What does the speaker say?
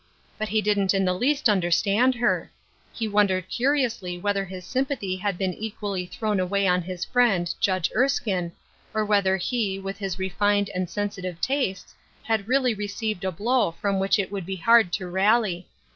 But he didn't in the least understand her. He wondered curiousl}^ whether his sym pathy had been equally thrown away on his friend. Judge Erskine, or whether he, with his refined and sensitive tastes, had really received a blow from which it would be hard to rally.